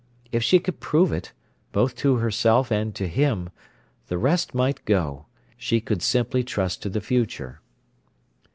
If she could prove it, both to herself and to him, the rest might go; she could simply trust to the future.